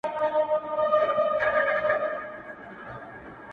چي استاد وو پر تخته باندي لیکلی؛